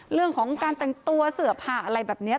เรื่องของการแต่งตัวเสือผ่าอะไรแบบนี้